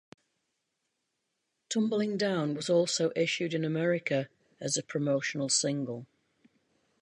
"Tumbling Down" was also issued in America as a promotional single.